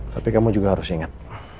tapi kamu juga harus ingat